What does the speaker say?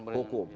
ya dengan hukum